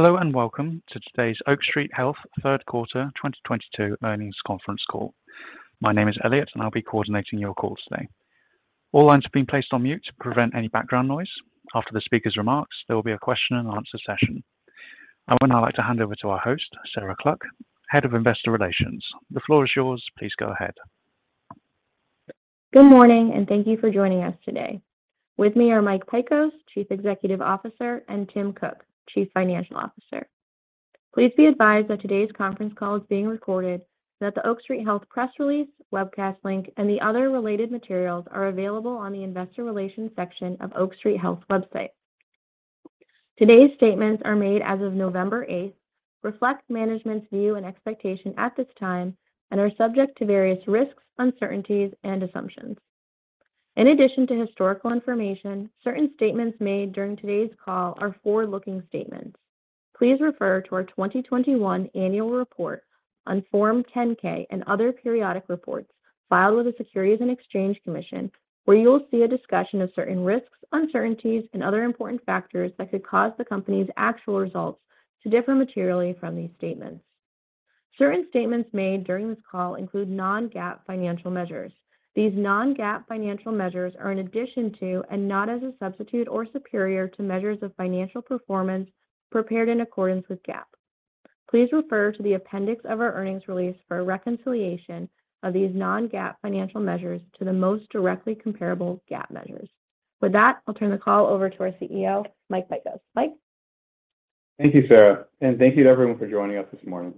Hello and welcome to today's Oak Street Health Q3 2022 earnings conference call. My name is Elliot, and I'll be coordinating your call today. All lines have been placed on mute to prevent any background noise. After the speaker's remarks, there will be a question and answer session. I would now like to hand over to our host, Sarah Cluck, Head of Investor Relations. The floor is yours. Please go ahead. Good morning, and thank you for joining us today. With me are Mike Pykosz, Chief Executive Officer, and Tim Cook, Chief Financial Officer. Please be advised that today's conference call is being recorded and that the Oak Street Health press release, webcast link, and the other related materials are available on the investor relations section of Oak Street Health's website. Today's statements are made as of November eighth, reflect management's view and expectation at this time, and are subject to various risks, uncertainties and assumptions. In addition to historical information, certain statements made during today's call are forward-looking statements. Please refer to our 2021 annual report on Form 10-K and other periodic reports filed with the Securities and Exchange Commission, where you will see a discussion of certain risks, uncertainties, and other important factors that could cause the company's actual results to differ materially from these statements. Certain statements made during this call include non-GAAP financial measures. These non-GAAP financial measures are in addition to and not as a substitute or superior to measures of financial performance prepared in accordance with GAAP. Please refer to the appendix of our earnings release for a reconciliation of these non-GAAP financial measures to the most directly comparable GAAP measures. With that, I'll turn the call over to our CEO, Mike Pykosz. Mike. Thank you, Sarah, and thank you to everyone for joining us this morning.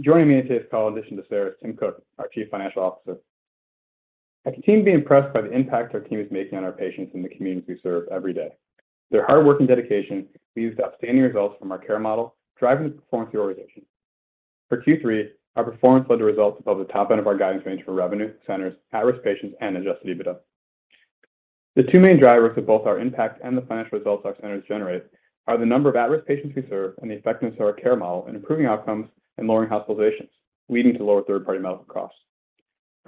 Joining me in today's call in addition to Sarah is Tim Cook, our Chief Financial Officer. I continue to be impressed by the impact our team is making on our patients in the communities we serve every day. Their hard work and dedication leads to outstanding results from our care model, driving the performance of the organization. For Q3, our performance led to results above the top end of our guidance range for revenue, centers, at-risk patients, and adjusted EBITDA. The two main drivers of both our impact and the financial results our centers generate are the number of at-risk patients we serve and the effectiveness of our care model in improving outcomes and lowering hospitalizations, leading to lower third-party medical costs.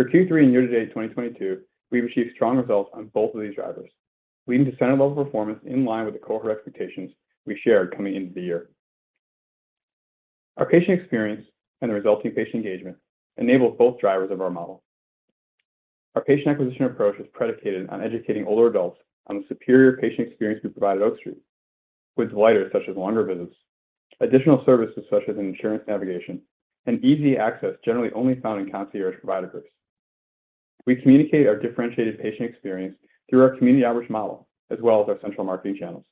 For Q3 and year-to-date 2022, we've achieved strong results on both of these drivers, leading to center-level performance in line with the cohort expectations we shared coming into the year. Our patient experience and the resulting patient engagement enable both drivers of our model. Our patient acquisition approach is predicated on educating older adults on the superior patient experience we provide at Oak Street with delighters such as longer visits, additional services such as insurance navigation, and easy access generally only found in concierge provider groups. We communicate our differentiated patient experience through our community outreach model as well as our central marketing channels.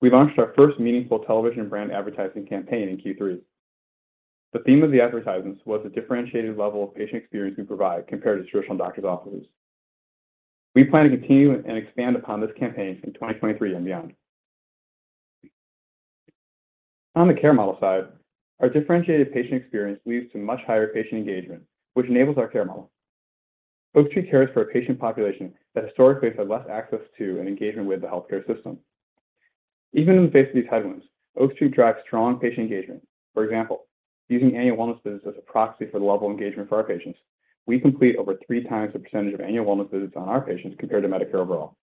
We've launched our first meaningful television brand advertising campaign in Q3. The theme of the advertisements was the differentiated level of patient experience we provide compared to traditional doctor's offices. We plan to continue and expand upon this campaign in 2023 and beyond. On the care model side, our differentiated patient experience leads to much higher patient engagement, which enables our care model. Oak Street cares for a patient population that historically has had less access to and engagement with the healthcare system. Even in the face of these headwinds, Oak Street drives strong patient engagement. For example, using annual wellness visits as a proxy for the level of engagement for our patients, we complete over three times the percentage of annual wellness visits on our patients compared to Medicare overall.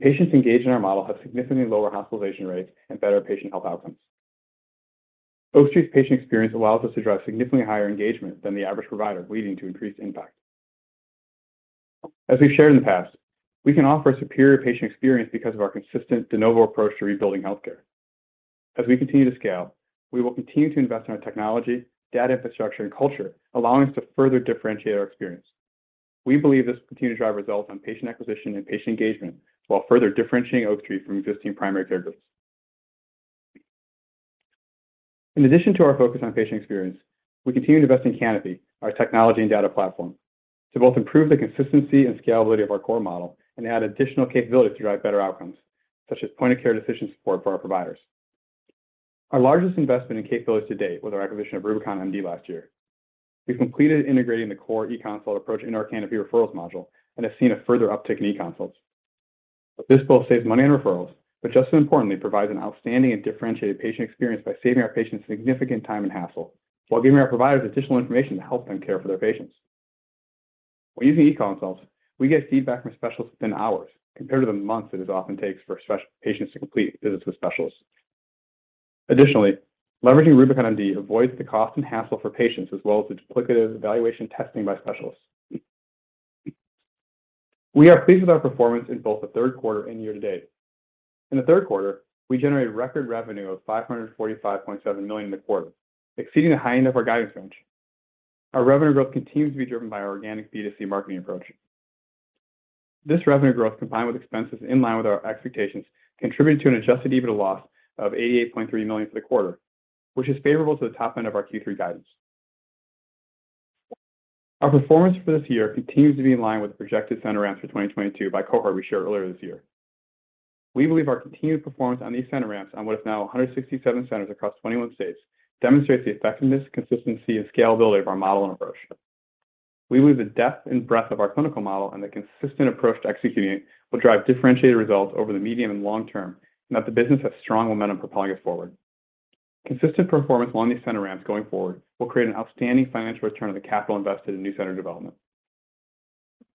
Patients engaged in our model have significantly lower hospitalization rates and better patient health outcomes. Oak Street's patient experience allows us to drive significantly higher engagement than the average provider, leading to increased impact. As we've shared in the past, we can offer a superior patient experience because of our consistent de novo approach to rebuilding healthcare. As we continue to scale, we will continue to invest in our technology, data infrastructure, and culture, allowing us to further differentiate our experience. We believe this will continue to drive results on patient acquisition and patient engagement while further differentiating Oak Street from existing primary care groups. In addition to our focus on patient experience, we continue to invest in Canopy, our technology and data platform, to both improve the consistency and scalability of our core model and add additional capabilities to drive better outcomes, such as point-of-care decision support for our providers. Our largest investment in capabilities to date was our acquisition of RubiconMD last year. We've completed integrating the core eConsult approach in our Canopy Referrals module and have seen a further uptick in eConsults. This both saves money on referrals, but just as importantly, provides an outstanding and differentiated patient experience by saving our patients significant time and hassle while giving our providers additional information to help them care for their patients. When using eConsults, we get feedback from specialists within hours compared to the months that it often takes for patients to complete visits with specialists. Additionally, leveraging RubiconMD avoids the cost and hassle for patients as well as the duplicative evaluation testing by specialists. We are pleased with our performance in both the Q3 and year-to-date. In the Q3, we generated record revenue of $545.7 million in the quarter, exceeding the high end of our guidance range. Our revenue growth continues to be driven by our organic B2C marketing approach. This revenue growth, combined with expenses in line with our expectations, contributed to an adjusted EBITDA loss of $88.3 million for the quarter, which is favorable to the top end of our Q3 guidance. Our performance for this year continues to be in line with the projected center ramps for 2022 by cohort we shared earlier this year. We believe our continued performance on these center ramps on what is now 167 centers across 21 states demonstrates the effectiveness, consistency, and scalability of our model and approach. We believe the depth and breadth of our clinical model and the consistent approach to executing it will drive differentiated results over the medium and long term, and that the business has strong momentum propelling us forward. Consistent performance along these center ramps going forward will create an outstanding financial return on the capital invested in new center development.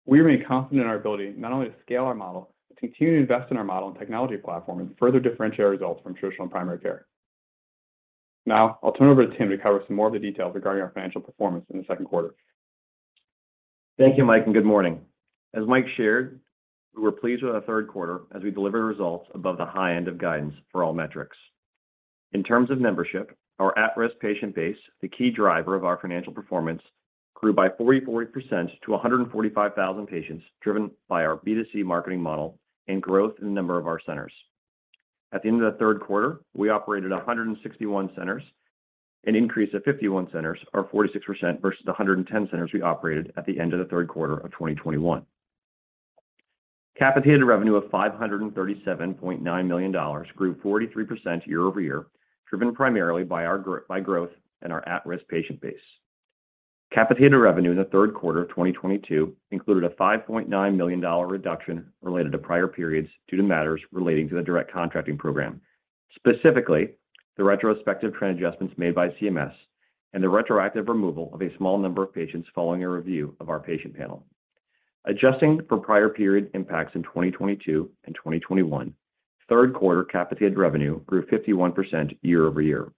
We remain confident in our ability not only to scale our model, but continue to invest in our model and technology platform and further differentiate results from traditional primary care. Now I'll turn it over to Tim to cover some more of the details regarding our financial performance in the Q2. Thank you, Mike, and good morning. As Mike shared, we were pleased with our Q3 as we delivered results above the high end of guidance for all metrics. In terms of membership, our at-risk patient base, the key driver of our financial performance, grew by 44% to 145,000 patients, driven by our B2C marketing model and growth in the number of our centers. At the end of the Q3, we operated 161 centers, an increase of 51 centers or 46% versus the 110 centers we operated at the end of the Q3 of 2021. Capitated revenue of $537.9 million grew 43% year-over-year, driven primarily by growth in our at-risk patient base. Capitated revenue in the Q3 of 2022 included a $5.9 million reduction related to prior periods due to matters relating to the Direct Contracting program, specifically the retrospective trend adjustments made by CMS and the retroactive removal of a small number of patients following a review of our patient panel. Adjusting for prior period impacts in 2022 and 2021, Q3 capitated revenue grew 51% year-over-year.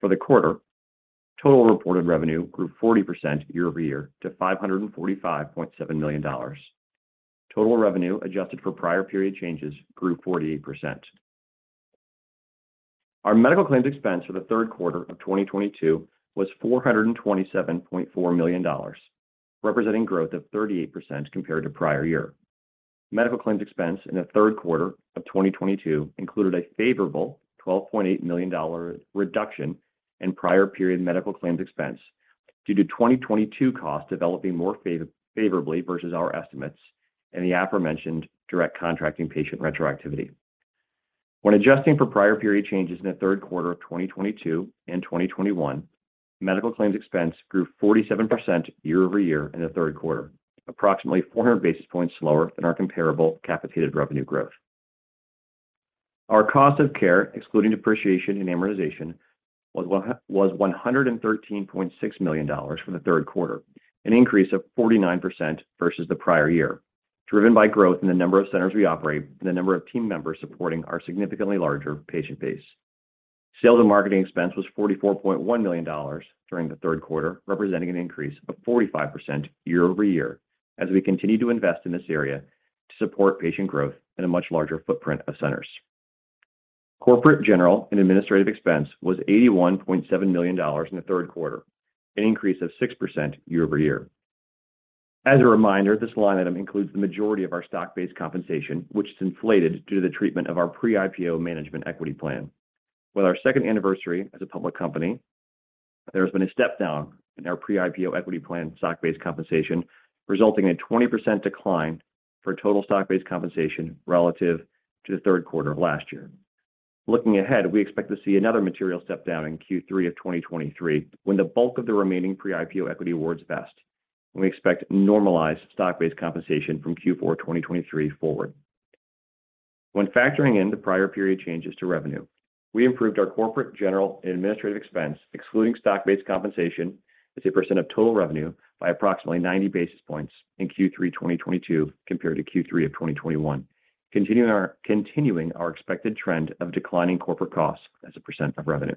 For the quarter, total reported revenue grew 40% year-over-year to $545.7 million. Total revenue adjusted for prior period changes grew 48%. Our medical claims expense for the Q3 of 2022 was $427.4 million, representing growth of 38% compared to prior year. Medical claims expense in the Q3 of 2022 included a favorable $12.8 million reduction in prior period medical claims expense due to 2022 costs developing more favorably versus our estimates and the aforementioned Direct Contracting patient retroactivity. When adjusting for prior period changes in the Q3 of 2022 and 2021, medical claims expense grew 47% year-over-year in the Q3, approximately 400 basis points slower than our comparable capitated revenue growth. Our cost of care, excluding depreciation and amortization, was $113.6 million for the Q3, an increase of 49% versus the prior year, driven by growth in the number of centers we operate and the number of team members supporting our significantly larger patient base. Sales and marketing expense was $44.1 million during the Q3, representing an increase of 45% year-over-year as we continue to invest in this area to support patient growth and a much larger footprint of centers. Corporate, general, and administrative expense was $81.7 million in the Q3, an increase of 6% year-over-year. As a reminder, this line item includes the majority of our stock-based compensation, which is inflated due to the treatment of our pre-IPO management equity plan. With our second anniversary as a public company, there has been a step down in our pre-IPO equity plan stock-based compensation, resulting in 20% decline for total stock-based compensation relative to the Q3 of last year. Looking ahead, we expect to see another material step down in Q3 of 2023, when the bulk of the remaining pre-IPO equity awards vest, and we expect normalized stock-based compensation from Q4 of 2023 forward. When factoring in the prior period changes to revenue, we improved our corporate, general, and administrative expense, excluding stock-based compensation as a percent of total revenue by approximately 90 basis points in Q3 of 2022 compared to Q3 of 2021, continuing our expected trend of declining corporate costs as a percent of revenue.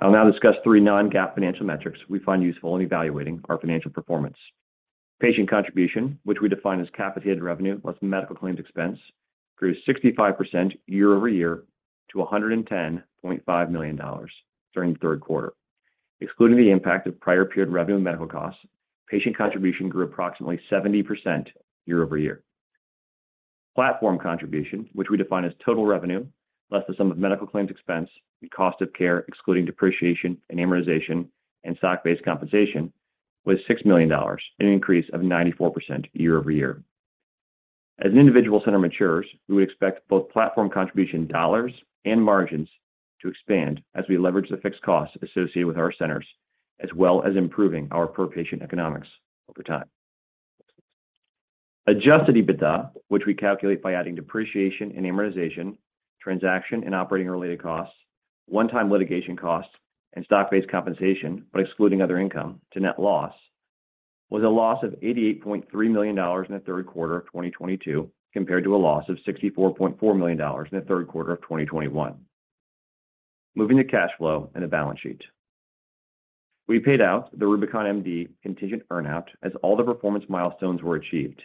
I'll now discuss three non-GAAP financial metrics we find useful in evaluating our financial performance. Patient contribution, which we define as capitated revenue less medical claims expense, grew 65% year-over-year to $110.5 million during the Q3. Excluding the impact of prior period revenue and medical costs, patient contribution grew approximately 70% year-over-year. Platform contribution, which we define as total revenue, less the sum of medical claims expense, the cost of care excluding depreciation and amortization, and stock-based compensation, was $6 million, an increase of 94% year-over-year. As an individual center matures, we would expect both platform contribution dollars and margins to expand as we leverage the fixed costs associated with our centers, as well as improving our per-patient economics over time. Adjusted EBITDA, which we calculate by adding depreciation and amortization, transaction and operating-related costs, one-time litigation costs, and stock-based compensation, but excluding other income to net loss, was a loss of $88.3 million in the Q3 of 2022, compared to a loss of $64.4 million in the Q3 of 2021. Moving to cash flow and the balance sheet. We paid out the RubiconMD contingent earn-out as all the performance milestones were achieved,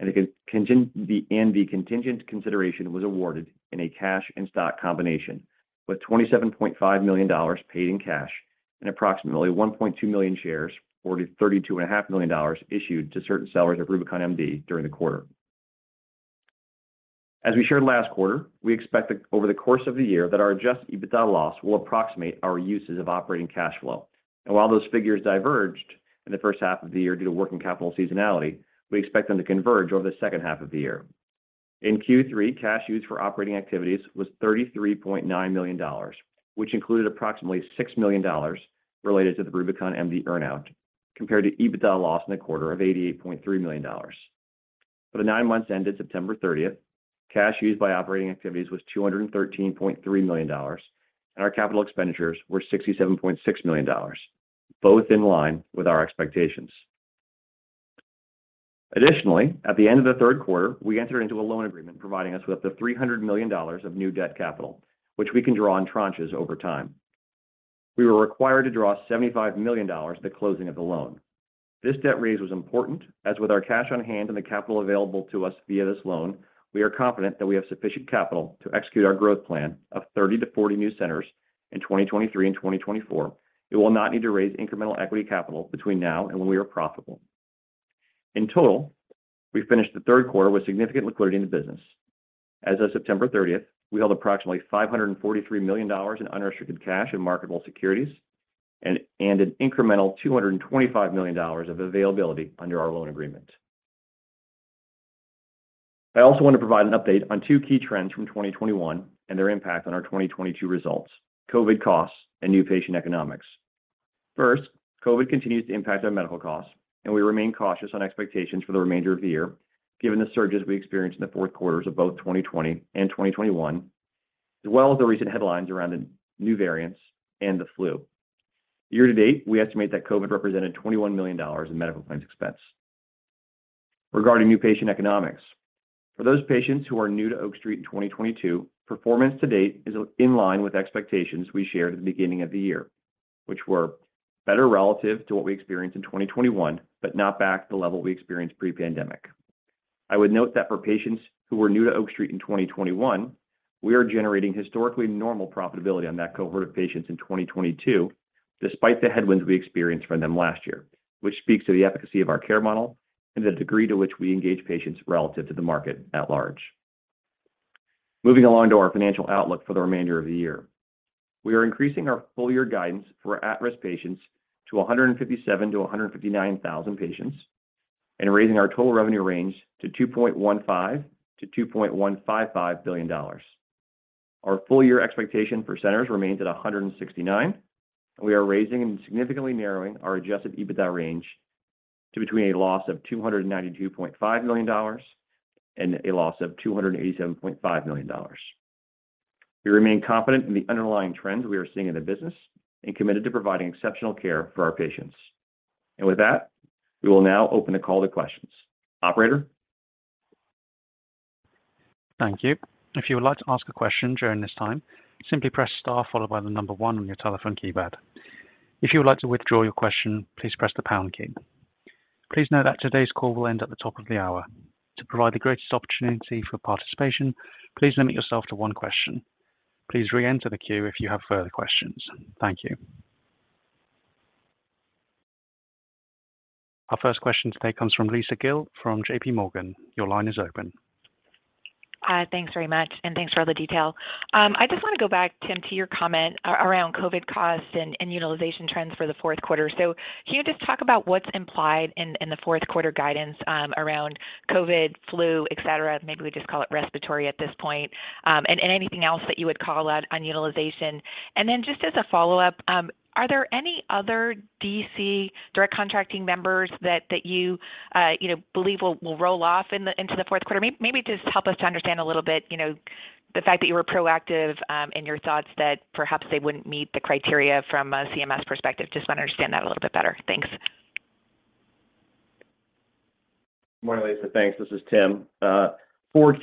and the contingent consideration was awarded in a cash and stock combination, with $27.5 million paid in cash and approximately 1.2 million shares, or $32.5 million, issued to certain sellers of RubiconMD during the quarter. As we shared last quarter, we expect that over the course of the year that our adjusted EBITDA loss will approximate our uses of operating cash flow. While those figures diverged in the H1 of the year due to working capital seasonality, we expect them to converge over the H2 of the year. In Q3, cash used for operating activities was $33.9 million, which included approximately $6 million related to the RubiconMD earn-out, compared to EBITDA loss in the quarter of $88.3 million. For the nine months ended September 30th, cash used by operating activities was $213.3 million, and our capital expenditures were $67.6 million, both in line with our expectations. Additionally, at the end of the Q3, we entered into a loan agreement providing us with up to $300 million of new debt capital, which we can draw on tranches over time. We were required to draw $75 million at the closing of the loan. This debt raise was important, as with our cash on hand and the capital available to us via this loan, we are confident that we have sufficient capital to execute our growth plan of 30-40 new centers in 2023 and 2024. It will not need to raise incremental equity capital between now and when we are profitable. In total, we finished the Q3 with significant liquidity in the business. As of September 30th, we held approximately $543 million in unrestricted cash and marketable securities and an incremental $225 million of availability under our loan agreement. I also want to provide an update on two key trends from 2021 and their impact on our 2022 results, COVID costs and new patient economics. First, COVID continues to impact our medical costs, and we remain cautious on expectations for the remainder of the year, given the surges we experienced in the Q4s of both 2020 and 2021, as well as the recent headlines around the new variants and the flu. Year to date, we estimate that COVID represented $21 million in medical claims expense. Regarding new patient economics, for those patients who are new to Oak Street in 2022, performance to date is in line with expectations we shared at the beginning of the year, which were better relative to what we experienced in 2021, but not back to the level we experienced pre-pandemic. I would note that for patients who were new to Oak Street in 2021, we are generating historically normal profitability on that cohort of patients in 2022, despite the headwinds we experienced from them last year, which speaks to the efficacy of our care model and the degree to which we engage patients relative to the market at large. Moving along to our financial outlook for the remainder of the year. We are increasing our full-year guidance for at-risk patients to 157-159 thousand patients and raising our total revenue range to $2.15-2.155 billion. Our full-year expectation for centers remains at 169, and we are raising and significantly narrowing our adjusted EBITDA range to between a loss of $292.5 million and a loss of $287.5 million. We remain confident in the underlying trends we are seeing in the business and committed to providing exceptional care for our patients. With that, we will now open the call to questions. Operator. Thank you. If you would like to ask a question during this time, simply press star followed by the number one on your telephone keypad. If you would like to withdraw your question, please press the pound key. Please note that today's call will end at the top of the hour. To provide the greatest opportunity for participation, please limit yourself to one question. Please reenter the queue if you have further questions. Thank you. Our first question today comes from Lisa Gill from JPMorgan. Your line is open. Thanks very much, and thanks for all the detail. I just wanna go back, Tim, to your comment around COVID costs and utilization trends for the Q4. Can you just talk about what's implied in the Q4 guidance around COVID, flu, et cetera, maybe we just call it respiratory at this point, and anything else that you would call out on utilization? Just as a follow-up, are there any other DC, direct contracting members that you know believe will roll off into the Q4? Maybe just help us to understand a little bit, you know, the fact that you were proactive in your thoughts that perhaps they wouldn't meet the criteria from a CMS perspective. Just wanna understand that a little bit better. Thanks. Morning, Lisa. Thanks. This is Tim. For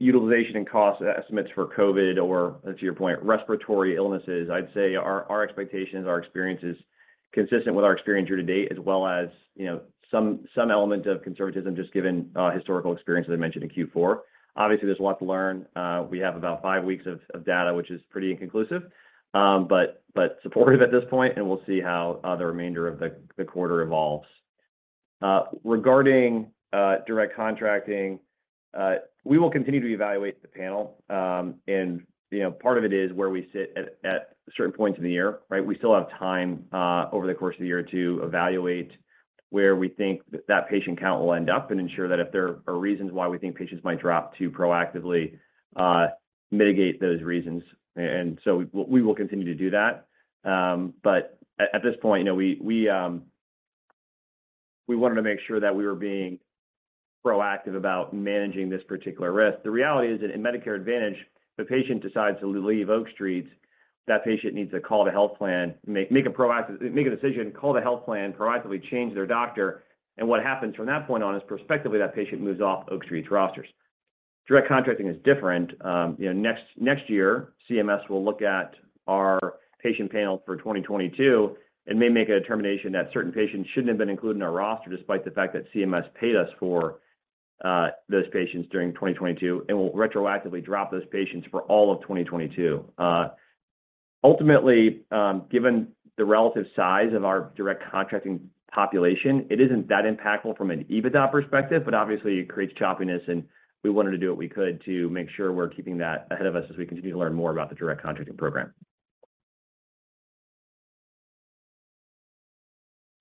Q4 utilization and cost estimates for COVID or, to your point, respiratory illnesses, I'd say our expectations, our experience is consistent with our experience year to date, as well as, you know, some element of conservatism just given historical experience, as I mentioned in Q4. Obviously, there's a lot to learn. We have about five weeks of data, which is pretty inconclusive, but supportive at this point, and we'll see how the remainder of the quarter evolves. Regarding Direct Contracting, we will continue to evaluate the panel. You know, part of it is where we sit at certain points in the year, right? We still have time over the course of the year to evaluate where we think that patient count will end up and ensure that if there are reasons why we think patients might drop to proactively mitigate those reasons. We will continue to do that. At this point, you know, we wanted to make sure that we were being proactive about managing this particular risk. The reality is that in Medicare Advantage, the patient decides to leave Oak Street, that patient needs to call the health plan, make a decision, call the health plan, proactively change their doctor. What happens from that point on is prospectively, that patient moves off Oak Street's rosters. Direct Contracting is different. You know, next year, CMS will look at our patient panel for 2022 and may make a determination that certain patients shouldn't have been included in our roster despite the fact that CMS paid us for those patients during 2022 and will retroactively drop those patients for all of 2022. Ultimately, given the relative size of our Direct Contracting population, it isn't that impactful from an EBITDA perspective, but obviously it creates choppiness, and we wanted to do what we could to make sure we're keeping that ahead of us as we continue to learn more about the Direct Contracting program.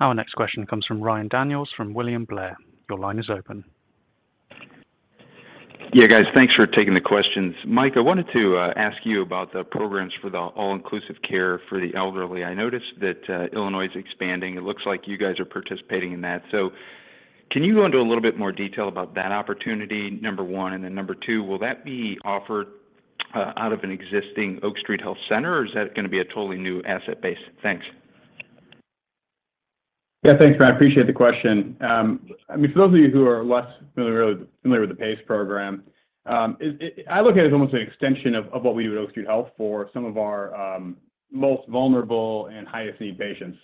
Our next question comes from Ryan Daniels from William Blair. Your line is open. Yeah, guys, thanks for taking the questions. Mike, I wanted to ask you about the programs for the all-inclusive care for the elderly. I noticed that Illinois is expanding. It looks like you guys are participating in that. Can you go into a little bit more detail about that opportunity, number one? Number two, will that be offered out of an existing Oak Street Health center, or is that gonna be a totally new asset base? Thanks. Yeah, thanks, Brad. I appreciate the question. I mean, for those of you who are less familiar with the PACE program, I look at it as almost an extension of what we do at Oak Street Health for some of our most vulnerable and highest need patients.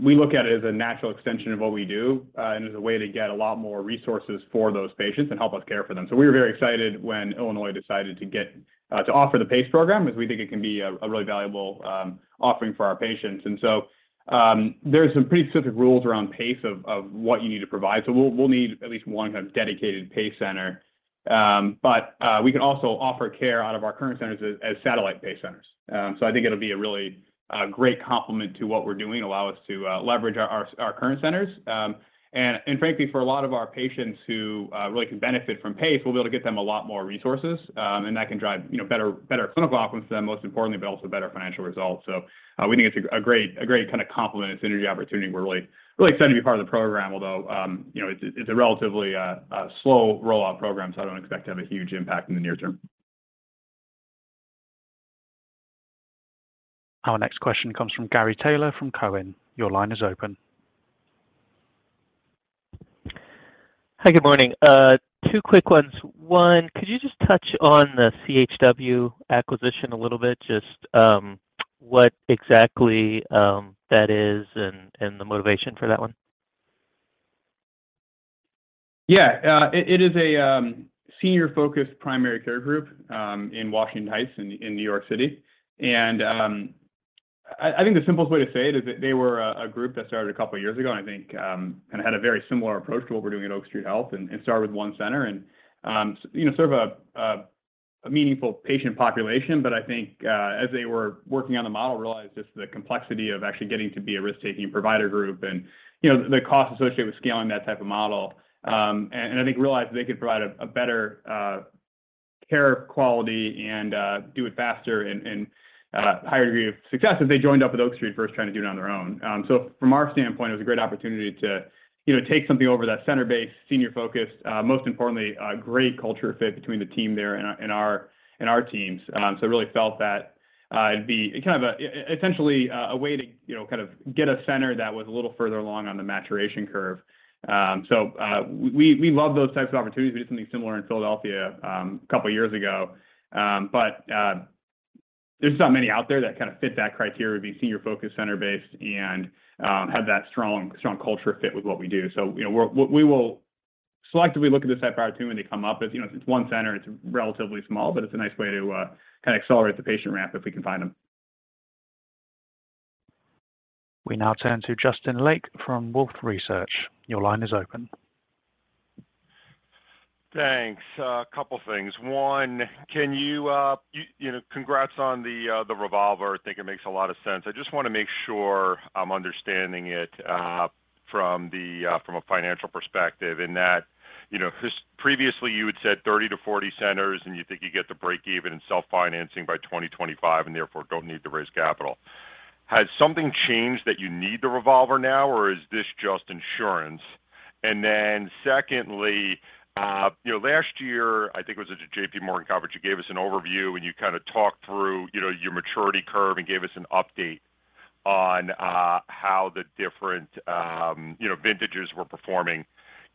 We look at it as a natural extension of what we do, and as a way to get a lot more resources for those patients and help us care for them. We were very excited when Illinois decided to offer the PACE program, because we think it can be a really valuable offering for our patients. There's some pretty specific rules around PACE of what you need to provide. We'll need at least one kind of dedicated PACE center. We can also offer care out of our current centers as satellite PACE centers. I think it'll be a really great complement to what we're doing, allow us to leverage our current centers. Frankly, for a lot of our patients who really can benefit from PACE, we'll be able to get them a lot more resources, and that can drive, you know, better clinical outcomes for them, most importantly, but also better financial results. We think it's a great kind of complement and synergy opportunity, and we're really excited to be part of the program, although, you know, it's a relatively slow rollout program, so I don't expect to have a huge impact in the near term. Our next question comes from Gary Taylor from Cowen. Your line is open. Hi, good morning. Two quick ones. One, could you just touch on the CHW acquisition a little bit, just, what exactly that is and the motivation for that one? Yeah. It is a senior-focused primary care group in Washington Heights in New York City. I think the simplest way to say it is that they were a group that started a couple years ago, and I think kind of had a very similar approach to what we're doing at Oak Street Health and started with one center and you know serve a meaningful patient population. I think as they were working on the model, realized just the complexity of actually getting to be a risk-taking provider group and you know the cost associated with scaling that type of model. I think realized they could provide a better care quality and do it faster and a higher degree of success if they joined up with Oak Street versus trying to do it on their own. From our standpoint, it was a great opportunity to, you know, take something over that center-based, senior-focused, most importantly, a great culture fit between the team there and our teams. Really felt that it'd be kind of a essentially a way to, you know, kind of get a center that was a little further along on the maturation curve. We love those types of opportunities. We did something similar in Philadelphia a couple years ago. There's not many out there that kind of fit that criteria, would be senior-focused, center-based, and have that strong culture fit with what we do. You know, we will selectively look at this type of opportunity when they come up. As you know, it's one center, it's relatively small, but it's a nice way to kind of accelerate the patient ramp if we can find them. We now turn to Justin Lake from Wolfe Research. Your line is open. Thanks. A couple things. One, can you know, congrats on the revolver. I think it makes a lot of sense. I just wanna make sure I'm understanding it from a financial perspective in that, you know, just previously you had said 30-40 centers, and you think you get to breakeven and self-financing by 2025 and therefore don't need to raise capital. Has something changed that you need the revolver now, or is this just insurance? Secondly, you know, last year, I think it was at the JPMorgan conference, you gave us an overview, and you kinda talked through, you know, your maturity curve and gave us an update on how the different, you know, vintages were performing.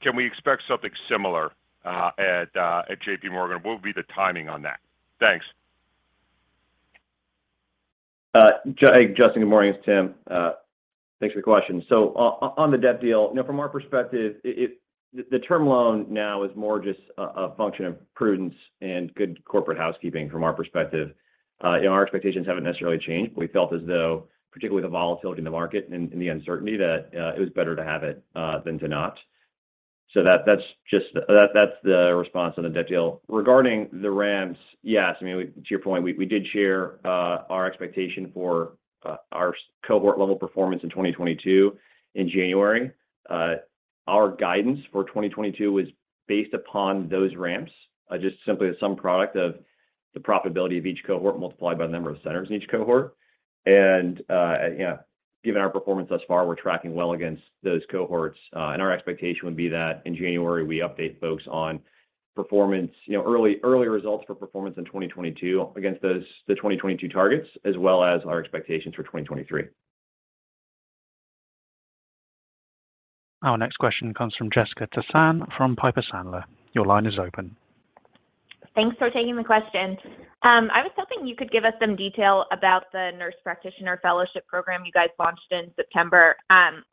Can we expect something similar at JPMorgan? What would be the timing on that? Thanks. Justin, good morning. It's Tim. Thanks for the question. On the debt deal, you know, from our perspective, the term loan now is more just a function of prudence and good corporate housekeeping from our perspective. Our expectations haven't necessarily changed. We felt as though, particularly the volatility in the market and the uncertainty, that it was better to have it than to not. That's the response on the debt deal. Regarding the ramps, yes, I mean, to your point, we did share our expectation for our cohort level performance in 2022 in January. Our guidance for 2022 was based upon those ramps, just simply the sum product of the profitability of each cohort multiplied by the number of centers in each cohort. Yeah, given our performance thus far, we're tracking well against those cohorts. Our expectation would be that in January, we update folks on performance, you know, early results for performance in 2022 against those 2022 targets, as well as our expectations for 2023. Our next question comes from Jessica Tassan from Piper Sandler. Your line is open. Thanks for taking the question. I was hoping you could give us some detail about the nurse practitioner fellowship program you guys launched in September.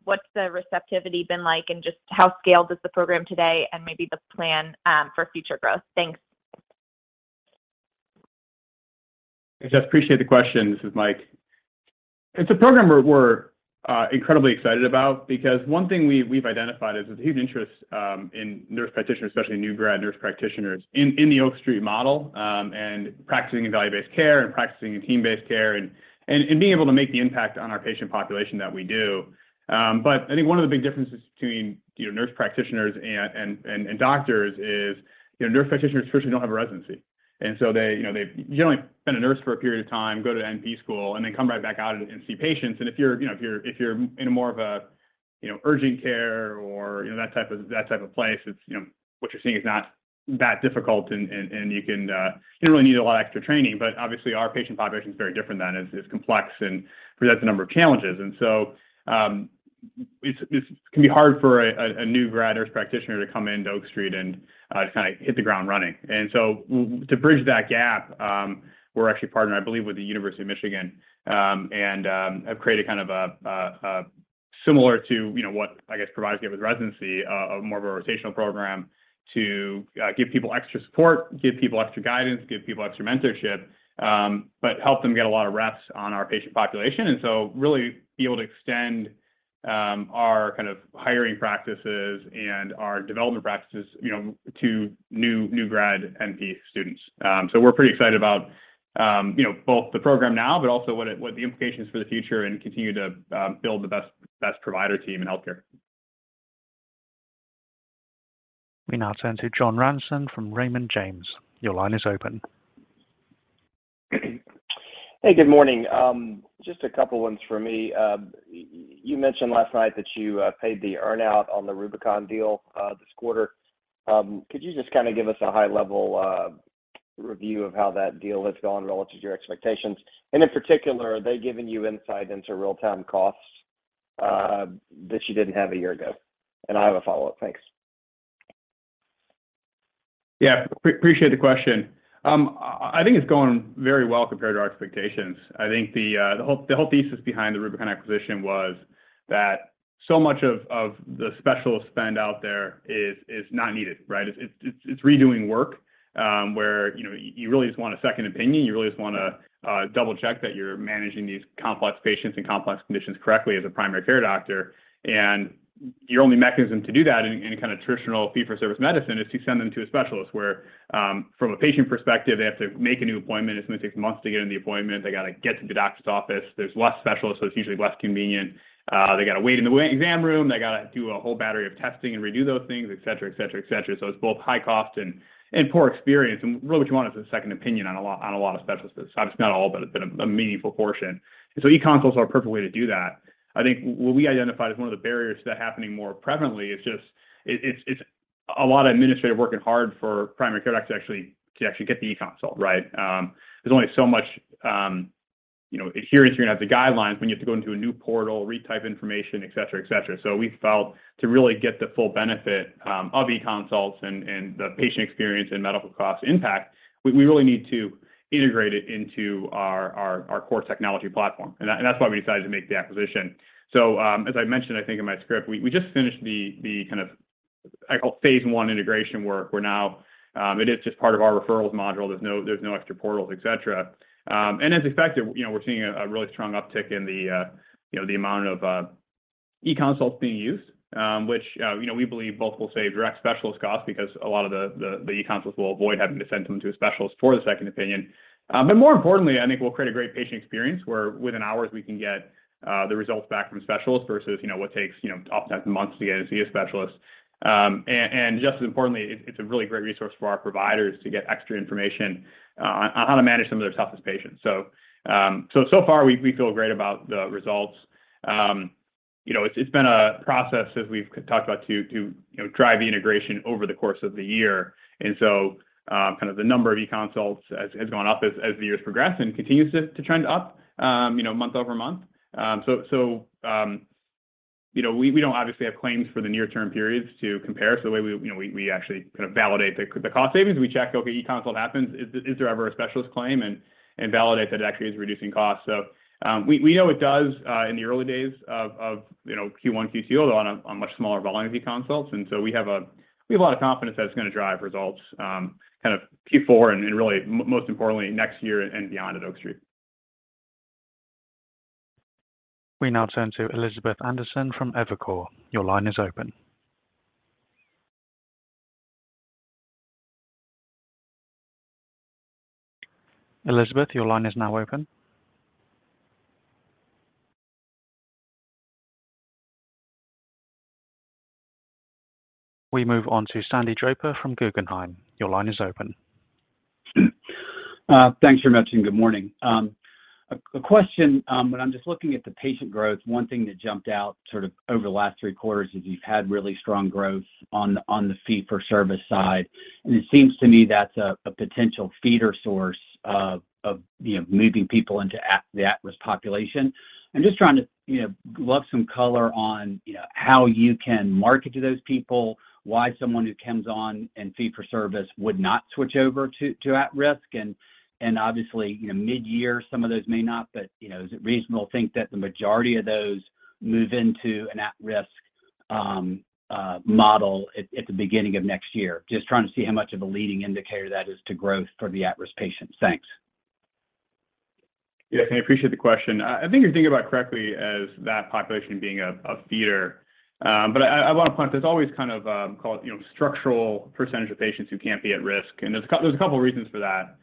What's the receptivity been like, and just how scaled is the program today, and maybe the plan for future growth? Thanks. Hey, Jess, appreciate the question. This is Mike. It's a program we're incredibly excited about because one thing we've identified is there's a huge interest in nurse practitioners, especially new grad nurse practitioners in the Oak Street model, and practicing in value-based care and practicing in team-based care and being able to make the impact on our patient population that we do. But I think one of the big differences between, you know, nurse practitioners and doctors is, you know, nurse practitioners traditionally don't have a residency. They, you know, they generally spend time as a nurse for a period of time, go to NP school, and then come right back out and see patients. If you're, you know, in a more of a urgent care or, you know, that type of place, it's, you know, what you're seeing is not that difficult and you don't really need a lot of extra training. But obviously, our patient population is very different than it. It's complex and presents a number of challenges. This can be hard for a new grad nurse practitioner to come into Oak Street and just kinda hit the ground running. To bridge that gap, we're actually partnered, I believe, with the University of Michigan, and have created kind of a similar to, you know, what I guess providers give as residency, a more of a rotational program to give people extra support, give people extra guidance, give people extra mentorship, but help them get a lot of reps on our patient population. Really be able to extend our kind of hiring practices and our development practices, you know, to new grad NP students. We're pretty excited about, you know, both the program now, but also what the implications for the future and continue to build the best provider team in healthcare. We now turn to John Ransom from Raymond James. Your line is open. Hey, good morning. Just a couple questions for me. You mentioned last night that you paid the earn-out on the RubiconMD deal this quarter. Could you just kinda give us a high-level review of how that deal has gone relative to your expectations? In particular, are they giving you insight into real-time costs that you didn't have a year ago? I have a follow-up. Thanks. Yeah. Appreciate the question. I think it's going very well compared to our expectations. I think the whole thesis behind the RubiconMD acquisition was that so much of the specialist spend out there is not needed, right? It's redoing work, where you know, you really just want a second opinion. You really just wanna double-check that you're managing these complex patients and complex conditions correctly as a primary care doctor. Your only mechanism to do that in a kind of traditional fee-for-service medicine is to send them to a specialist, where from a patient perspective, they have to make a new appointment. It's gonna take months to get in the appointment. They gotta get to the doctor's office. There's less specialists, so it's usually less convenient. They gotta wait in the exam room. They gotta do a whole battery of testing and redo those things, et cetera, et cetera, et cetera. It's both high cost and poor experience. Really what you want is a second opinion on a lot of specialists. Obviously, not all, but a meaningful portion. eConsults are a perfect way to do that. I think what we identified as one of the barriers to that happening more prevalently is a lot of administrative work and it's hard for primary care docs to actually get the eConsult, right? There's only so much, you know, adherence you're gonna have to guidelines when you have to go into a new portal, retype information, et cetera, et cetera. We felt that to really get the full benefit of eConsults and the patient experience and medical cost impact, we really need to integrate it into our core technology platform. That's why we decided to make the acquisition. As I mentioned, I think in my script, we just finished what I call phase one integration work. It is just part of our Referrals module. There's no extra portals, et cetera. And as expected, you know, we're seeing a really strong uptick in the, you know, the amount of eConsults being used, which, you know, we believe both will save direct specialist costs because a lot of the eConsults will avoid having to send someone to a specialist for the second opinion. More importantly, I think we'll create a great patient experience where within hours we can get the results back from specialists versus, you know, what takes, you know, oftentimes months to get in to see a specialist. Just as importantly, it's a really great resource for our providers to get extra information on how to manage some of their toughest patients. So far we feel great about the results. You know, it's been a process as we've talked about to you know, drive the integration over the course of the year. Kind of the number of e-consults has gone up as the years progress and continues to trend up, you know, month-over-month. You know, we don't obviously have claims for the near term periods to compare. The way we you know actually kind of validate the cost savings. We check, okay, eConsult happens. Is there ever a specialist claim? Validate that it actually is reducing costs. We know it does in the early days of you know Q1, Q2 on much smaller volume of eConsults. We have a lot of confidence that it's gonna drive results kind of Q4 and really most importantly next year and beyond at Oak Street. We now turn to Elizabeth Anderson from Evercore. Your line is open. Elizabeth, your line is now open. We move on to Sandy Draper from Guggenheim. Your line is open. Thanks very much, and good morning. A question, when I'm just looking at the patient growth, one thing that jumped out sort of over the last three quarters is you've had really strong growth on the fee-for-service side. It seems to me that's a potential feeder source of, you know, moving people into the at-risk population. I'm just trying to, you know, get some color on, you know, how you can market to those people, why someone who comes on in fee-for-service would not switch over to at-risk. Obviously, you know, mid-year, some of those may not, but, you know, is it reasonable to think that the majority of those move into an at-risk model at the beginning of next year? Just trying to see how much of a leading indicator that is to growth for the at-risk patients. Thanks. Yeah. I appreciate the question. I think you're thinking about correctly as that population being a feeder. But I wanna point, there's always kind of, call it, you know, structural percentage of patients who can't be at risk. There's a couple reasons for that.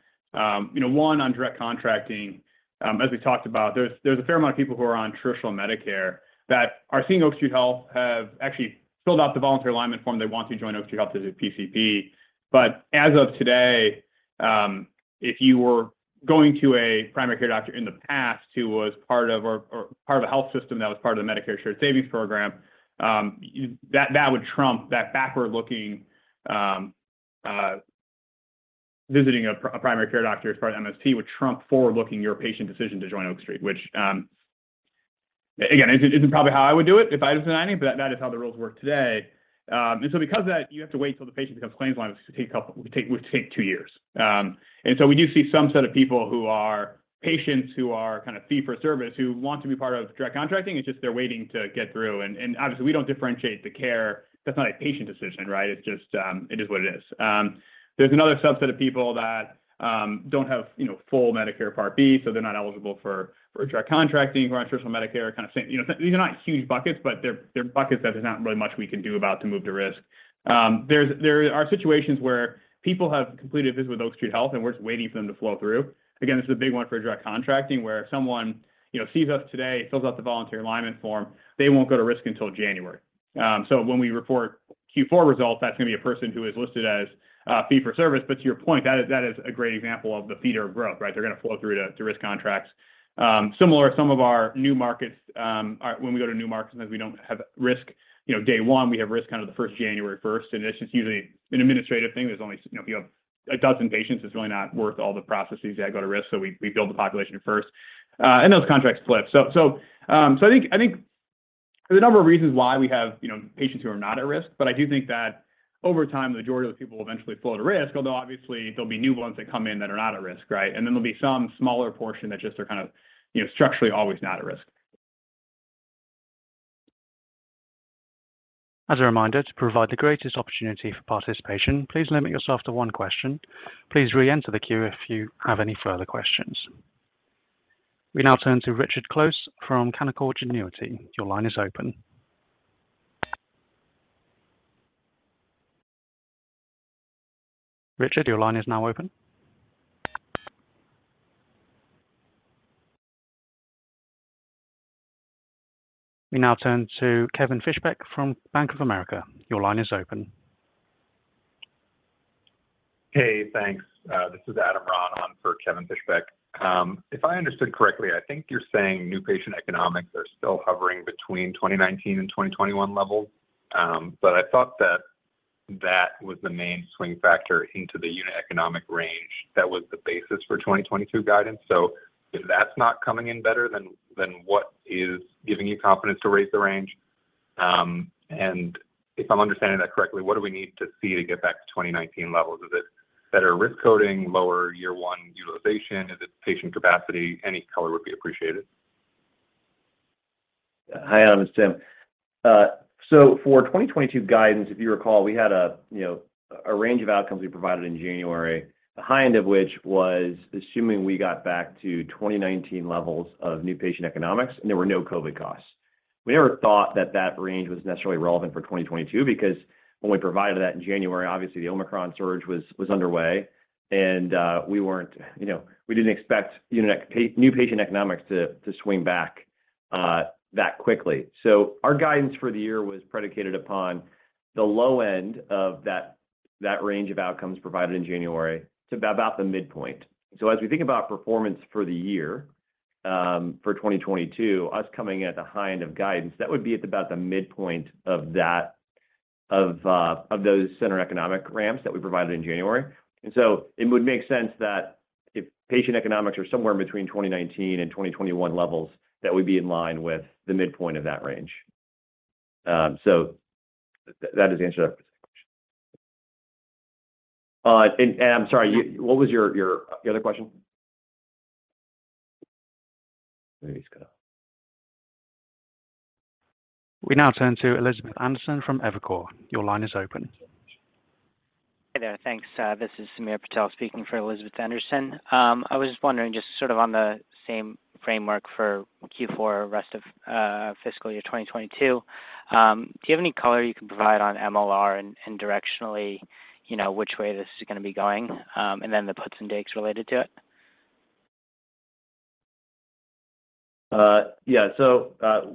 You know, one, on Direct Contracting, as we talked about, there's a fair amount of people who are on traditional Medicare that are seeing Oak Street Health, have actually filled out the voluntary alignment form. They want to join Oak Street Health as a PCP. As of today, if you were going to a primary care doctor in the past who was part of or part of a health system that was part of the Medicare Shared Savings Program, that would trump that backward-looking, visiting a primary care doctor as part of MSSP would trump forward-looking your patient decision to join Oak Street. Which, again, isn't probably how I would do it if I was designing it, but that is how the rules work today. Because of that, you have to wait until the patient becomes claims aligned, which could take a couple would take two years. We do see some set of people who are patients who are kind of fee-for-service who want to be part of Direct Contracting, it's just they're waiting to get through. Obviously we don't differentiate the care. That's not a patient decision, right? It's just, it is what it is. There's another subset of people that don't have, you know, full Medicare Part B, so they're not eligible for Direct Contracting, who are on traditional Medicare, kind of same. You know, these are not huge buckets, but they're buckets that there's not really much we can do about to move to risk. There are situations where people have completed a visit with Oak Street Health, and we're just waiting for them to flow through. Again, this is a big one for Direct Contracting, where if someone, you know, sees us today, fills out the voluntary alignment form, they won't go to risk until January. When we report Q4 results, that's gonna be a person who is listed as fee-for-service. To your point, that is a great example of the feeder growth, right? They're gonna flow through to risk contracts. Similar to some of our new markets are when we go to new markets, sometimes we don't have risk, you know, day one. We have risk kind of the first January 1st, and it's just usually an administrative thing. There's only, you know, if you have a dozen patients, it's really not worth all the processes to go to risk, so we build the population first, and those contracts flip. I think there are a number of reasons why we have, you know, patients who are not at risk, but I do think that over time, the majority of those people will eventually flow to risk, although obviously there'll be new ones that come in that are not at risk, right? And then there'll be some smaller portion that just are kind of, you know, structurally always not at risk. As a reminder, to provide the greatest opportunity for participation, please limit yourself to one question. Please reenter the queue if you have any further questions. We now turn to Richard Close from Canaccord Genuity. Your line is open. Richard, your line is now open. We now turn to Kevin Fischbeck from Bank of America. Your line is open. Hey, thanks. This is Adam Ron on for Kevin Fischbeck. If I understood correctly, I think you're saying new patient economics are still hovering between 2019 and 2021 levels. I thought that was the main swing factor into the unit economic range. That was the basis for 2022 guidance. If that's not coming in better, then what is giving you confidence to raise the range? If I'm understanding that correctly, what do we need to see to get back to 2019 levels? Is it better risk coding, lower year one utilization? Is it patient capacity? Any color would be appreciated. Yeah. Hi, Adam, it's Tim. For 2022 guidance, if you recall, we had a range of outcomes we provided in January. The high end of which was assuming we got back to 2019 levels of new patient economics, and there were no COVID costs. We never thought that that range was necessarily relevant for 2022, because when we provided that in January, obviously the Omicron surge was underway and we weren't, you know, we didn't expect new patient economics to swing back that quickly. Our guidance for the year was predicated upon the low end of that range of outcomes provided in January to about the midpoint. As we think about performance for the year, for 2022, us coming in at the high end of guidance, that would be at about the midpoint of that, of those center economic ramps that we provided in January. It would make sense that if patient economics are somewhere between 2019 and 2021 levels, that would be in line with the midpoint of that range. That is the answer to that first question. And I'm sorry, you, what was your, the other question? We now turn to Elizabeth Anderson from Evercore. Your line is open. Hey there. Thanks. This is Sameer Patel speaking for Elizabeth Anderson. I was just wondering, just sort of on the same framework for Q4, rest of fiscal year 2022, do you have any color you can provide on MLR and directionally, you know, which way this is gonna be going, and then the puts and takes related to it?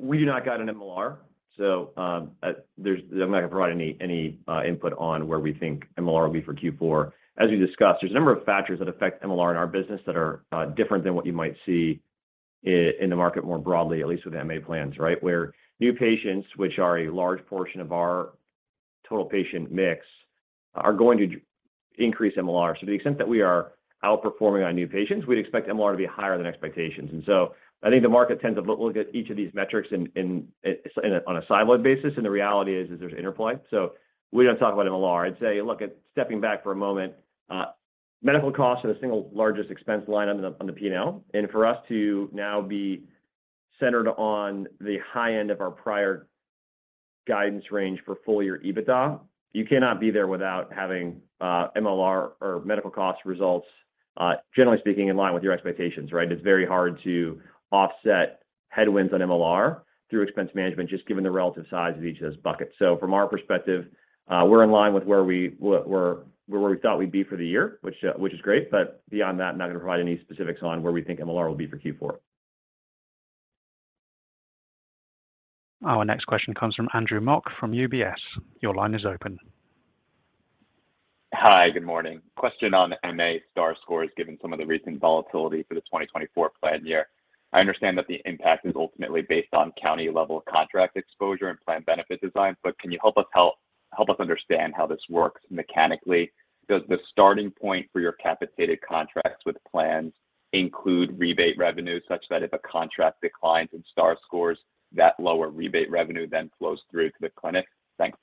We do not guide in MLR. I'm not gonna provide any input on where we think MLR will be for Q4. As we discussed, there's a number of factors that affect MLR in our business that are different than what you might see in the market more broadly, at least with MA plans, right? Where new patients, which are a large portion of our total patient mix, are going to increase MLR. To the extent that we are outperforming on new patients, we'd expect MLR to be higher than expectations. I think the market tends to look at each of these metrics in a siloed basis, and the reality is there's interplay. We don't talk about MLR. I'd say, look at stepping back for a moment, medical costs are the single largest expense line on the P&L. For us to now be centered on the high end of our prior guidance range for full year EBITDA, you cannot be there without having MLR or medical cost results, generally speaking in line with your expectations, right? It's very hard to offset headwinds on MLR through expense management, just given the relative size of each of those buckets. From our perspective, we're in line with where we were, where we thought we'd be for the year, which is great. Beyond that, I'm not gonna provide any specifics on where we think MLR will be for Q4. Our next question comes from Andrew Mok from UBS. Your line is open. Hi. Good morning. Question on MA Star scores, given some of the recent volatility for the 2024 plan year. I understand that the impact is ultimately based on county level contract exposure and plan benefit design. Can you help us understand how this works mechanically? Does the starting point for your capitated contracts with plans include rebate revenue, such that if a contract declines in Star scores, that lower rebate revenue then flows through to the clinic? Thanks.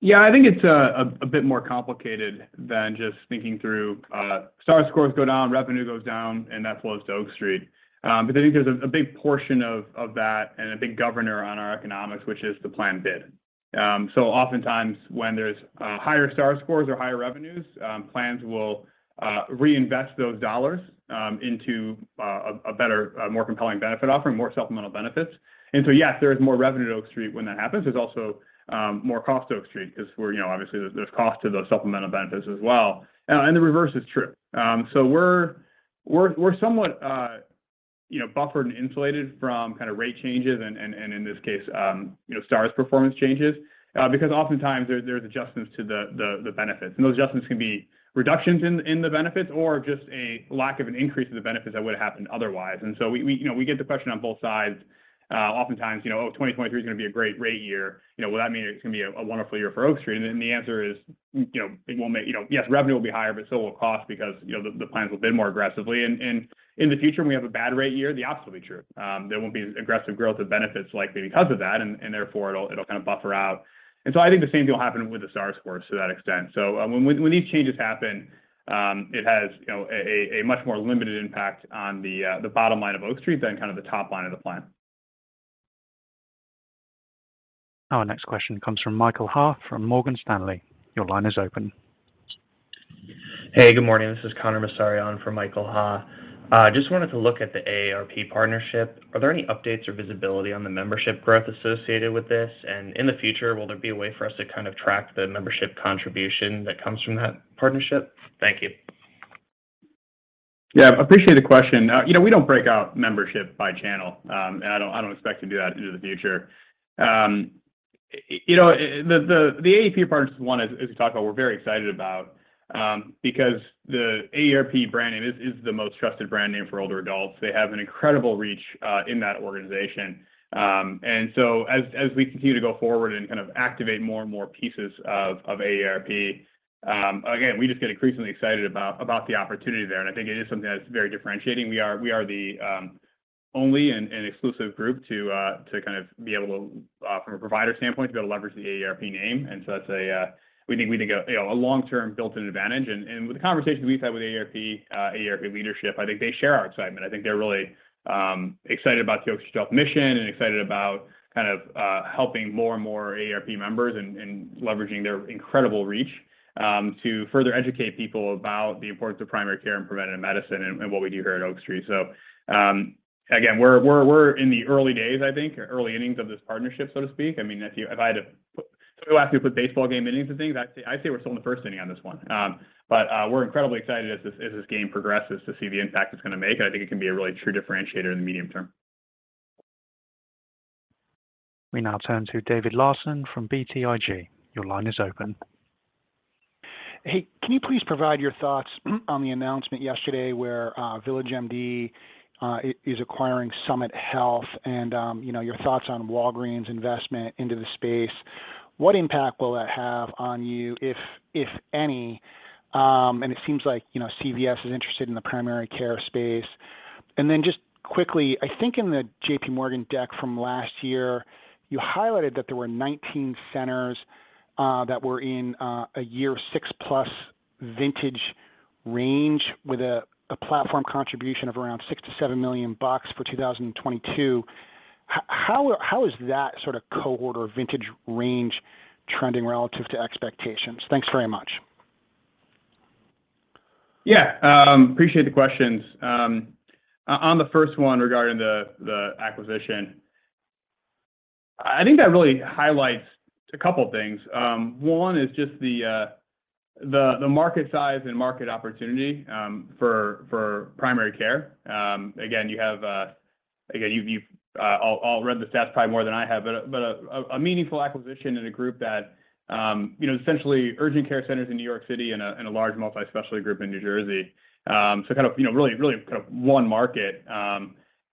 Yeah. I think it's a bit more complicated than just thinking through star scores go down, revenue goes down, and that flows to Oak Street. I think there's a big portion of that and a big governor on our economics, which is the plan bid. Oftentimes when there's higher star scores or higher revenues, plans will reinvest those dollars into a better, more compelling benefit offer and more supplemental benefits. Yes, there is more revenue to Oak Street when that happens. There's also more cost to Oak Street because you know obviously there's cost to those supplemental benefits as well. The reverse is true. We're somewhat, you know, buffered and insulated from kind of rate changes and in this case, you know, Star performance changes, because oftentimes there are adjustments to the benefits, and those adjustments can be reductions in the benefits or just a lack of an increase in the benefits that would have happened otherwise. We get the question on both sides. Oftentimes, you know, oh, 2023 is gonna be a great rate year. You know, will that mean it's gonna be a wonderful year for Oak Street? The answer is, you know, yes, revenue will be higher, but so will cost because, you know, the plans will bid more aggressively. In the future, when we have a bad rate year, the opposite will be true. There won't be aggressive growth of benefits likely because of that, and therefore it'll kind of buffer out. I think the same thing will happen with the Star scores to that extent. When these changes happen, it has you know a much more limited impact on the bottom line of Oak Street than kind of the top line of the plan. Our next question comes from Michael Ha from Morgan Stanley. Your line is open. Hey, good morning. This is Connor Massari for Michael Ha. Just wanted to look at the AARP partnership. Are there any updates or visibility on the membership growth associated with this? In the future, will there be a way for us to kind of track the membership contribution that comes from that partnership? Thank you. Yeah. Appreciate the question. You know, we don't break out membership by channel, and I don't expect to do that into the future. You know, the AARP partnership one is to talk about. We're very excited about, because the AARP brand name is the most trusted brand name for older adults. They have an incredible reach in that organization. As we continue to go forward and kind of activate more and more pieces of AARP, again, we just get increasingly excited about the opportunity there, and I think it is something that's very differentiating. We are the only and exclusive group to kind of be able to, from a provider standpoint, to be able to leverage the AARP name. We think, you know, a long-term built-in advantage. With the conversations we've had with AARP leadership, I think they share our excitement. I think they're really excited about the Oak Street Health mission and excited about kind of helping more and more AARP members and leveraging their incredible reach to further educate people about the importance of primary care and preventative medicine and what we do here at Oak Street. Again, we're in the early days, I think, or early innings of this partnership, so to speak. I mean, somebody asked me to put baseball game innings and things, I'd say we're still in the first inning on this one. We're incredibly excited as this game progresses to see the impact it's gonna make, and I think it can be a really true differentiator in the medium term. We now turn to David Larsen from BTIG. Your line is open. Hey, can you please provide your thoughts on the announcement yesterday where VillageMD is acquiring Summit Health and, you know, your thoughts on Walgreens' investment into the space? What impact will that have on you if any? And it seems like, you know, CVS is interested in the primary care space. Just quickly, I think in the JPMorgan deck from last year, you highlighted that there were 19 centers that were in a year six plus vintage range with a platform contribution of around $6-7 million for 2022. How is that sort of cohort or vintage range trending relative to expectations? Thanks very much. Yeah. Appreciate the questions. On the first one regarding the acquisition, I think that really highlights a couple things. One is just the market size and market opportunity for primary care. Again, you have all read the stats probably more than I have. But a meaningful acquisition in a group that, you know, essentially urgent care centers in New York City and a large multi-specialty group in New Jersey. So kind of, you know, really kind of one market.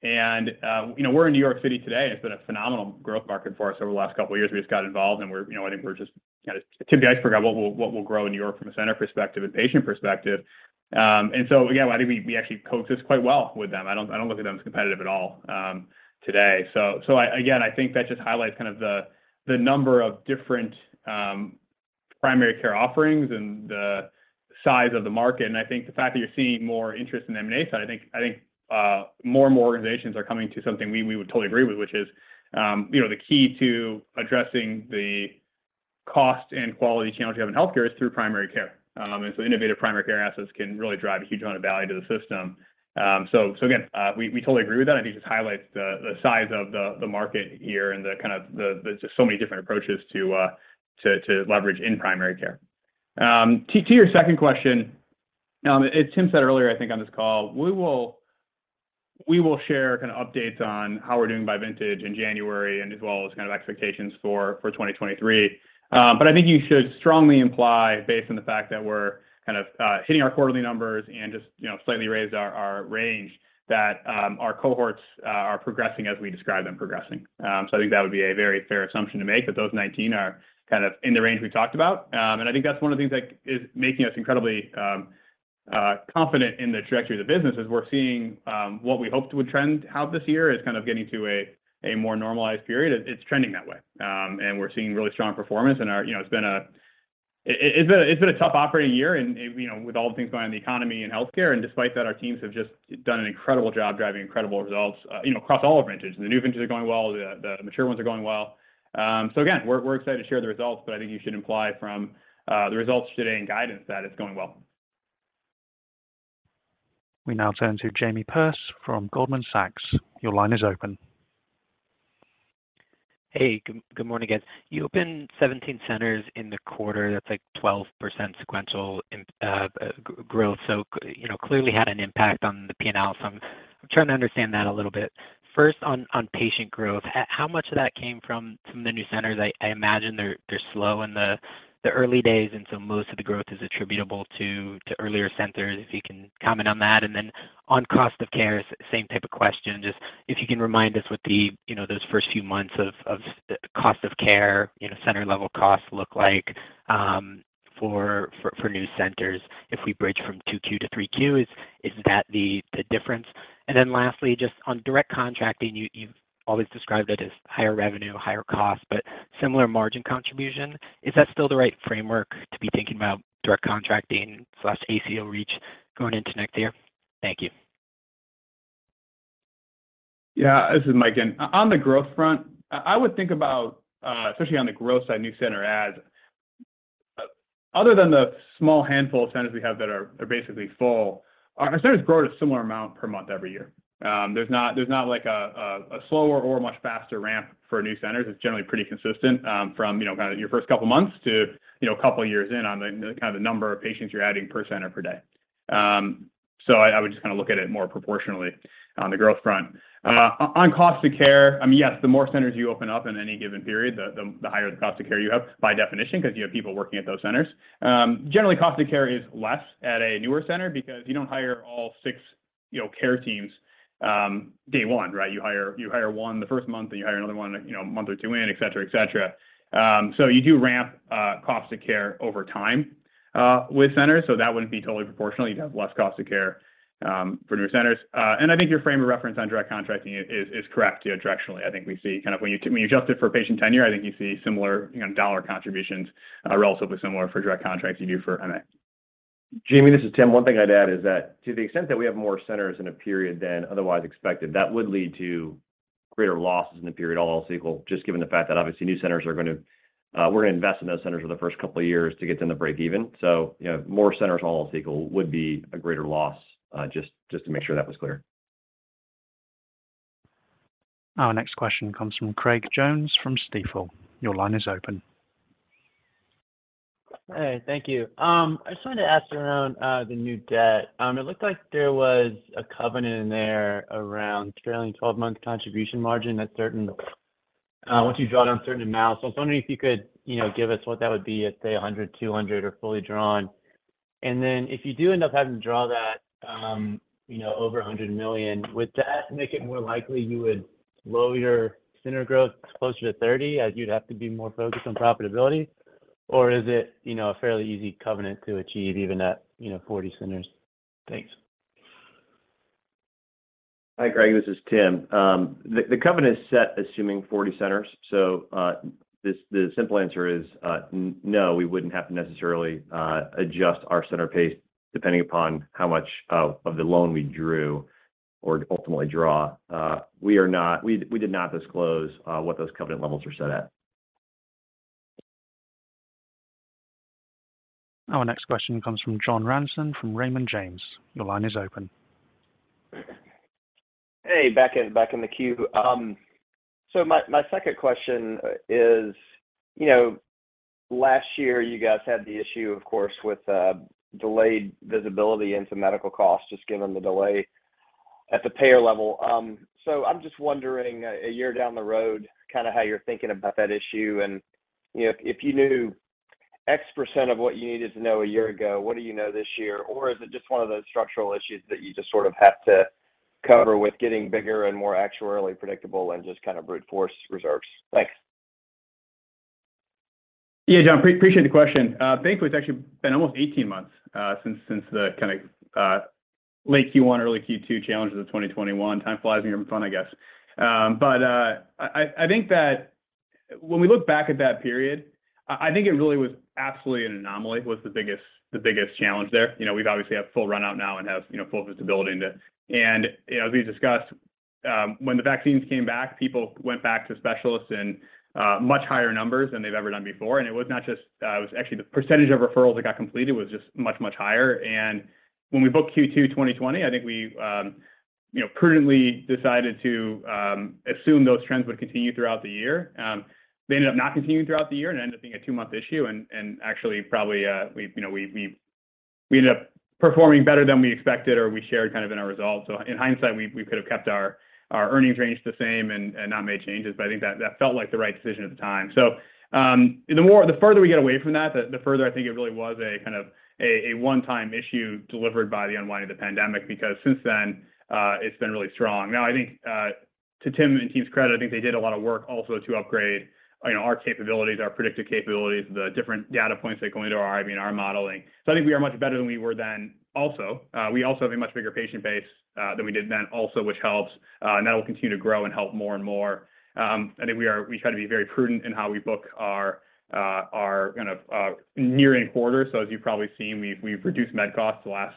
And, you know, we're in New York City today, and it's been a phenomenal growth market for us over the last couple years. We just got involved, and we're, you know, I think we're just kind of tip of the iceberg on what will grow in New York from a center perspective and patient perspective. Again, I think we actually coexist quite well with them. I don't look at them as competitive at all, today. I think that just highlights kind of the number of different primary care offerings and the size of the market. I think the fact that you're seeing more interest in the M&A side, I think more and more organizations are coming to something we would totally agree with, which is, you know, the key to addressing the cost and quality challenge we have in healthcare is through primary care. Innovative primary care assets can really drive a huge amount of value to the system. Again, we totally agree with that. I think it just highlights the size of the market here and the kind of just so many different approaches to leverage in primary care. To your second question, as Tim said earlier, I think on this call, we will share kind of updates on how we're doing by vintage in January and as well as kind of expectations for 2023. I think you should strongly imply based on the fact that we're kind of hitting our quarterly numbers and just you know slightly raised our range that our cohorts are progressing as we describe them progressing. I think that would be a very fair assumption to make that those 19 are kind of in the range we talked about. I think that's one of the things that is making us incredibly confident in the trajectory of the business is we're seeing what we hoped would trend out this year is kind of getting to a more normalized period. It's trending that way. We're seeing really strong performance. You know, it's been a tough operating year and, you know, with all the things going on in the economy and healthcare, and despite that, our teams have just done an incredible job driving incredible results, you know, across all our vintages. The new vintages are going well. The mature ones are going well. Again, we're excited to share the results, but I think you should infer from the results today and guidance that it's going well. We now turn to Jamie Perse from Goldman Sachs. Your line is open. Hey, good morning, guys. You opened 17 centers in the quarter, that's like 12% sequential growth, you know, clearly had an impact on the P&L. I'm trying to understand that a little bit. First on patient growth, how much of that came from the new centers? I imagine they're slow in the early days, and most of the growth is attributable to earlier centers, if you can comment on that. Then on cost of care, same type of question. Just if you can remind us what the, you know, those first few months of cost of care, you know, center level costs look like, for new centers if we bridge from 2Q to 3Q. Is that the difference? Lastly, just on Direct Contracting, you've always described it as higher revenue, higher cost, but similar margin contribution. Is that still the right framework to be thinking about Direct Contracting/ACO REACH going into next year? Thank you. Yeah. This is Mike again. On the growth front, I would think about, especially on the growth side, new center adds, other than the small handful of centers we have that are basically full, our centers grow at a similar amount per month every year. There's not like a slower or much faster ramp for new centers. It's generally pretty consistent, from, you know, kind of your first couple of months to, you know, a couple of years in on the kind of number of patients you're adding per center per day. So I would just kinda look at it more proportionally on the growth front. On cost of care, I mean, yes, the more centers you open up in any given period, the higher the cost of care you have by definition 'cause you have people working at those centers. Generally, cost of care is less at a newer center because you don't hire all six, you know, care teams day one, right? You hire one the first month, then you hire another one, you know, a month or two in, et cetera, et cetera. You do ramp costs of care over time with centers, so that wouldn't be totally proportional. You'd have less cost of care for newer centers. I think your frame of reference on Direct Contracting is correct, you know, directionally. I think we see kind of when you adjust it for patient tenure, I think you see similar, you know, dollar contributions, relatively similar for Direct Contracting you do for MA. Jamie, this is Tim. One thing I'd add is that to the extent that we have more centers in a period than otherwise expected, that would lead to greater losses in the period all else equal, just given the fact that obviously new centers, we're gonna invest in those centers for the first couple of years to get them to break even. You know, more centers all else equal would be a greater loss, just to make sure that was clear. Our next question comes from Craig Jones from Stifel. Your line is open. Hey. Thank you. I just wanted to ask around the new debt. It looked like there was a covenant in there around trailing 12-month contribution margin once you draw down a certain amount. I was wondering if you could, you know, give us what that would be at, say, 100, 200, or fully drawn. If you do end up having to draw that, you know, over $100 million, would that make it more likely you would slow your center growth closer to 30, as you'd have to be more focused on profitability? Is it, you know, a fairly easy covenant to achieve even at, you know, 40 centers? Thanks. Hi, Craig. This is Tim. The covenant is set assuming 40 centers. The simple answer is no, we wouldn't have to necessarily adjust our center pace depending upon how much of the loan we drew or ultimately draw. We did not disclose what those covenant levels are set at. Our next question comes from John Ransom from Raymond James. Your line is open. Hey. Back in the queue. So my second question is, you know, last year you guys had the issue, of course, with delayed visibility into medical costs, just given the delay at the payer level. So I'm just wondering, a year down the road, kinda how you're thinking about that issue. You know, if you knew X% of what you needed to know a year ago, what do you know this year? Or is it just one of those structural issues that you just sort of have to cover with getting bigger and more actuarially predictable and just kind of brute force reserves? Thanks. Yeah, John, appreciate the question. I think it's actually been almost 18 months since the kinda late Q1, early Q2 challenges of 2021. Time flies when you're having fun, I guess. I think that when we look back at that period, I think it really was absolutely an anomaly, the biggest challenge there. You know, we obviously have full run rate now and have full visibility into. You know, as we discussed, when the vaccines came back, people went back to specialists in much higher numbers than they've ever done before. It was actually the percentage of referrals that got completed was just much higher. When we booked Q2 2020, I think we prudently decided to assume those trends would continue throughout the year. They ended up not continuing throughout the year, and it ended up being a two-month issue. Actually, probably, you know, we ended up performing better than we expected or we shared kind of in our results. In hindsight, we could have kept our earnings range the same and not made changes, but I think that felt like the right decision at the time. The further we get away from that, the more I think it really was a kind of a one-time issue driven by the unwinding of the pandemic, because since then, it's been really strong. Now, I think, to Tim and team's credit, I think they did a lot of work also to upgrade, you know, our capabilities, our predictive capabilities, the different data points that go into our IBNR modeling. I think we are much better than we were then. We also have a much bigger patient base than we did then also, which helps, and that will continue to grow and help more and more. I think we try to be very prudent in how we book our kind of near-term quarters. As you've probably seen, we've reduced med costs the last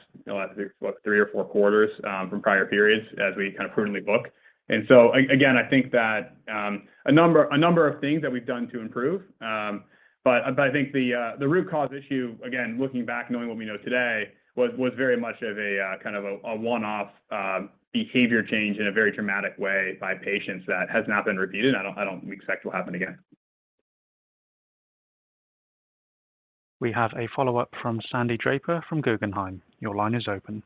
three or four quarters from prior periods as we kind of prudently book. Again, I think that a number of things that we've done to improve. I think the root cause issue, again, looking back, knowing what we know today, was very much of a kind of a one-off behavior change in a very dramatic way by patients that has not been repeated, and I don't expect will happen again. We have a follow-up from Sandy Draper from Guggenheim. Your line is open.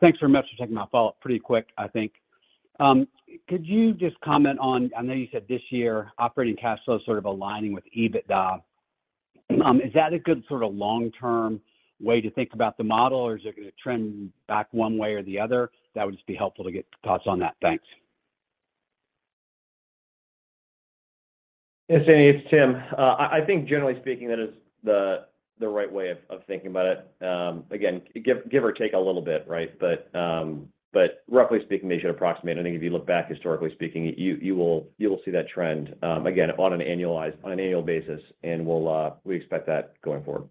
Thanks very much for taking my follow-up. Pretty quick, I think. Could you just comment on, I know you said this year operating cash flow is sort of aligning with EBITDA. Is that a good sort of long-term way to think about the model, or is it gonna trend back one way or the other? That would just be helpful to get thoughts on that. Thanks. Yeah, Sandy, it's Tim. I think generally speaking, that is the right way of thinking about it. Again, give or take a little bit, right? Roughly speaking, they should approximate. I think if you look back historically speaking, you will see that trend, again, on an annual basis, and we'll expect that going forward.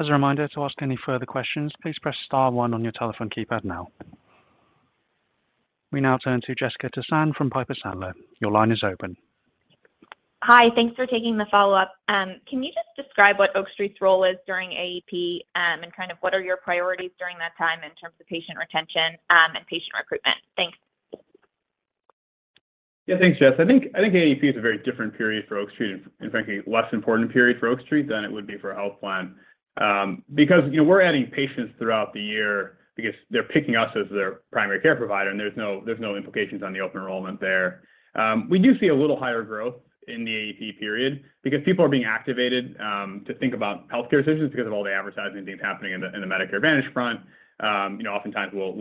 As a reminder to ask any further questions, please press star one on your telephone keypad now. We now turn to Jessica Tassan from Piper Sandler. Your line is open. Hi. Thanks for taking the follow-up. Can you just describe what Oak Street's role is during AEP, and kind of what are your priorities during that time in terms of patient retention, and patient recruitment? Thanks. Yeah. Thanks, Jess. I think AEP is a very different period for Oak Street, and frankly, less important period for Oak Street than it would be for a health plan. Because, you know, we're adding patients throughout the year because they're picking us as their primary care provider, and there's no implications on the open enrollment there. We do see a little higher growth in the AEP period because people are being activated to think about healthcare decisions because of all the advertising things happening in the Medicare Advantage front. You know, oftentimes we'll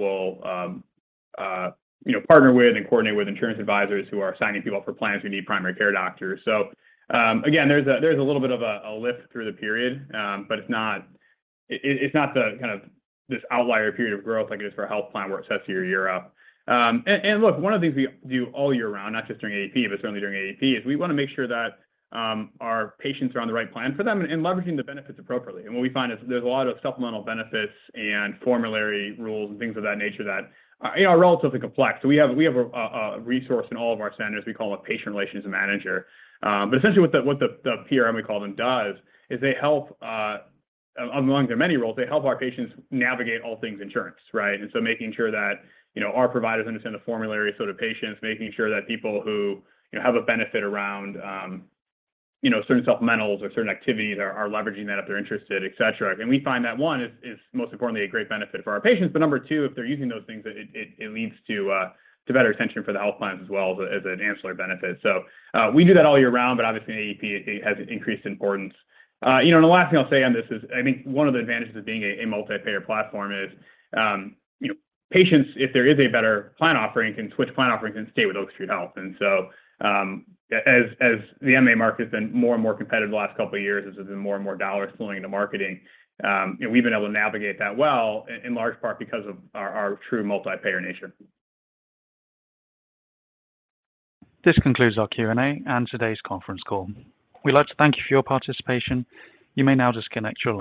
partner with and coordinate with insurance advisors who are signing people up for plans who need primary care doctors. Again, there's a little bit of a lift through the period, but it's not the kind of this outlier period of growth like it is for a health plan where it sets year up. Look, one of the things we do all year round, not just during AEP, but certainly during AEP, is we wanna make sure that our patients are on the right plan for them and leveraging the benefits appropriately. What we find is there's a lot of supplemental benefits and formulary rules and things of that nature that you know are relatively complex. We have a resource in all of our centers we call a patient relations manager. Essentially what the PRM we call them does is, among their many roles, they help our patients navigate all things insurance, right? Making sure that, you know, our providers understand the formulary so do patients, making sure that people who, you know, have a benefit around, you know, certain supplementals or certain activities are leveraging that if they're interested, etc. We find that one is most importantly a great benefit for our patients. Number two, if they're using those things, it leads to better retention for the health plans as well as an ancillary benefit. We do that all year round, but obviously in AEP it has increased importance. You know, the last thing I'll say on this is, I think one of the advantages of being a multi-payer platform is, you know, patients, if there is a better plan offering, can switch plan offerings and stay with Oak Street Health. As the MA market has been more and more competitive the last couple of years, as there's been more and more dollars flowing into marketing, you know, we've been able to navigate that well in large part because of our true multi-payer nature. This concludes our Q&A and today's conference call. We'd like to thank you for your participation. You may now disconnect your line.